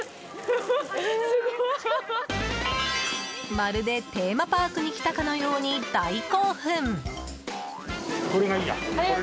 まるでテーマパークに来たかのように、大興奮。